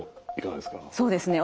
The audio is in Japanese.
そうですね